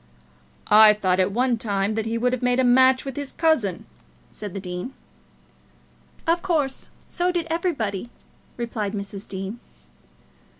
"I thought at one time that he would have made a match with his cousin," said the dean. "Of course; so did everybody," replied Mrs. Dean.